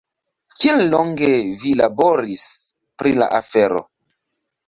Kiel longe vi laboris pri la afero?